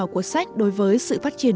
của sách đối với sự phát triển